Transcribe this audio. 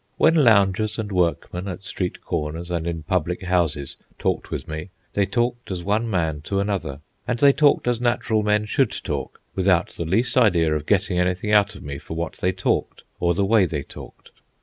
When loungers and workmen, at street corners and in public houses, talked with me, they talked as one man to another, and they talked as natural men should talk, without the least idea of getting anything out of me for what they talked or the way they talked.